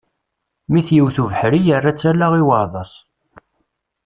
Mi t-yewwet ubeḥri, yerra-tt ala i uɛḍas.